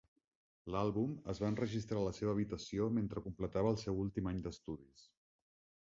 L'àlbum es va enregistrar a la seva habitació, mentre completava el seu últim any d'estudis.